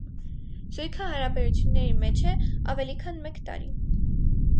Զույգը հարաբերությունների մեջ է ավելի քան մեկ տարի։